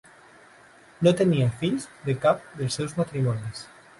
No tenia fills de cap dels seus matrimonis.